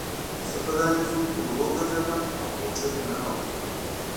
زه په دهلیز کې ورو ګرځېدم او کوټې ته ننوتم